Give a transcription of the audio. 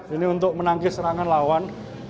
ini untuk menangkis serangan lawan